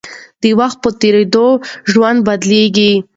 د وخت په تېرېدو ژوند بدلېږي.